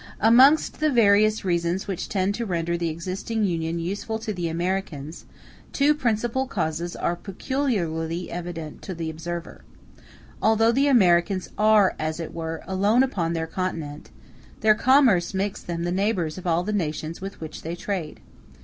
Amongst the various reasons which tend to render the existing Union useful to the Americans, two principal causes are peculiarly evident to the observer. Although the Americans are, as it were, alone upon their continent, their commerce makes them the neighbors of all the nations with which they trade.